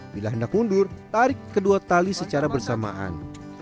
bila hendak mundur tarik kedua tali secara bersamaan